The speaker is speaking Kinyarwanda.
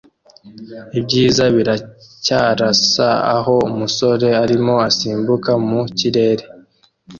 Ibyiza biracyarasa aho umusore arimo asimbukira mu kirere